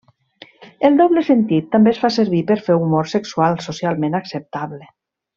El doble sentit també es fa servir per fer humor sexual socialment acceptable.